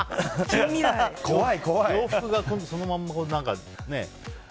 洋服が、そのままね。